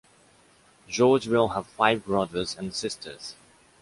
George will have five brothers and sisters.